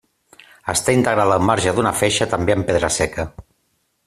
Està integrada al marge d'una feixa, també en pedra seca.